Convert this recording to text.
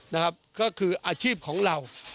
นะครับก็คืออาชีพของเรา